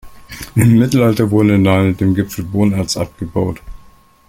Im Mittelalter wurde nahe dem Gipfel Bohnerz abgebaut.